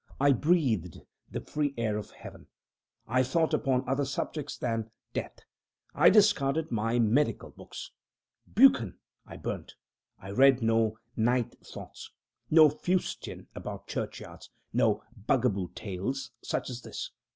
I breathed the free air of Heaven. I thought upon other subjects than Death. I discarded my medical books. "Buchan" I burned. I read no "Night Thoughts" no fustian about churchyards no bugaboo tales such as this.